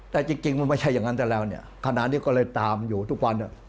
แต่จริงมันไม่ใช่อย่างนั้นแต่แล้วเนี่ยขณะนี้ก็เลยตามอยู่ทุกวัน